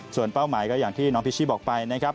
ส่วนเป้าหมายก็อย่างที่น้องพิชชี่บอกไปนะครับ